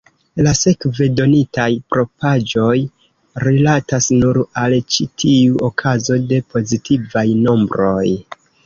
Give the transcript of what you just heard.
La sekve donitaj propraĵoj rilatas nur al ĉi tiu okazo de pozitivaj nombroj.